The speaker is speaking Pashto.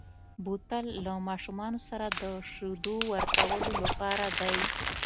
بوتل له ماشومو سره د شیدو ورکولو لپاره دی.